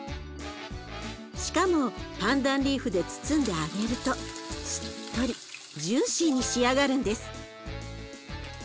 しかもパンダンリーフで包んで揚げるとしっとりジューシーに仕上がるんです。